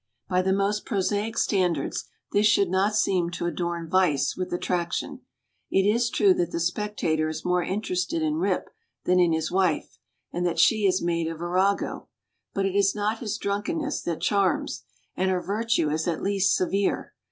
By the most prosaic standards this should not seem to adorn vice with attraction. It is true that the spectator is more interested in Rip than in his wife, and that she is made a virago. But it is not his drunkenness that charms, and her virtue is at least severe.